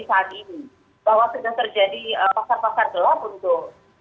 dimana kelemahannya persoalannya apakah itu benar benar menjawab tantangan situasi yang terjadi tadi